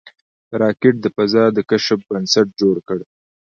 راکټ د فضا د کشف بنسټ جوړ کړ